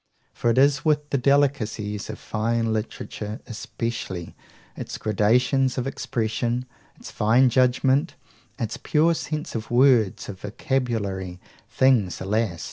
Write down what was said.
For it is with the delicacies of fine literature especially, its gradations of expression, its fine judgment, its pure sense of words, of vocabulary things, alas!